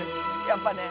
やっぱね。